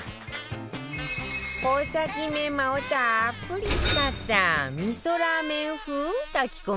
穂先メンマをたっぷり使った味噌ラーメン風炊き込みご飯